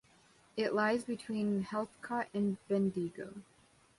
It lies between Heathcote and Bendigo.